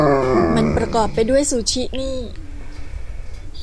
มันประกอบไปด้วยซูชินี่